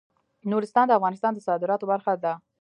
نورستان د افغانستان د صادراتو برخه ده.